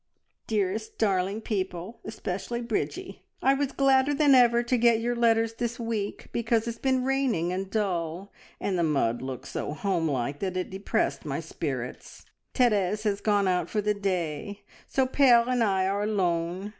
"`Dearest, Darling People, especially Bridgie, I was gladder than ever to get your letters this week, because it's been raining and dull, and the mud looked so home like that it depressed my spirits. Therese has gone out for the day, so Pere and I are alone.